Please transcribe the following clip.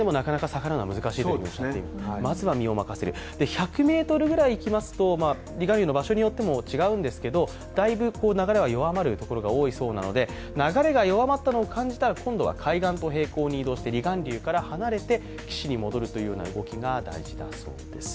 １００ｍぐらいいきますと、離岸流の場所によっても違いますがだいぶ流れは弱まるところが多いそうなので、流れが弱まったのを感じたら流れと並行に移動して岸に戻るのが大事だということですね。